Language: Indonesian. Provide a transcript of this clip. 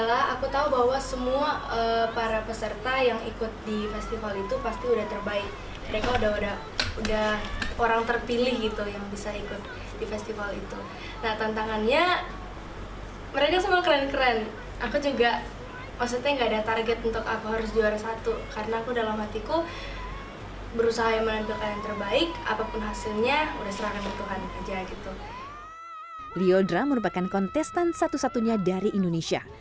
liodra merupakan kontestan satu satunya dari indonesia